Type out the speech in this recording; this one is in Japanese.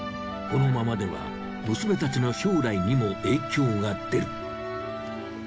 このままでは娘たちの将来にも影響が出る。